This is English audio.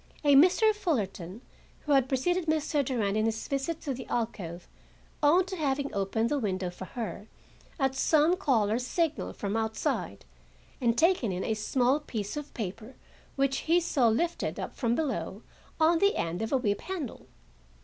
A Mr. Fullerton, who had preceded Mr. Durand in his visit to the alcove, owned to having opened the window for her at some call or signal from outside, and taken in a small piece of paper which he saw lifted up from below on the end of a whip handle.